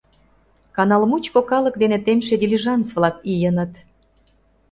Канал мучко калык дене темше дилижанс-влак ийыныт.